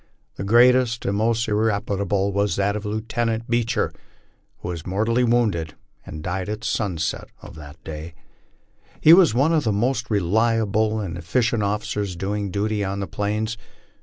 The greatest and most irreparable was that of Lieutenant Beecher, who was mor tally wounded, and died at sunset of that day, He was one of the most relia ble nd efficient officers doing duty on the Plains.